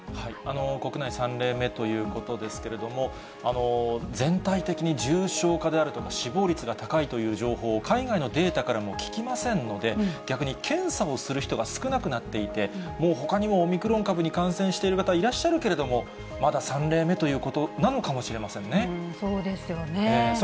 国内３例目ということですけれども、全体的に重症化であるとか死亡率が高いという情報、海外のデータからも聞きませんので、逆に検査をする人が少なくなっていて、もうほかにもオミクロン株に感染している方、いらっしゃるけれども、まだ３例目ということなのかもしれませんね。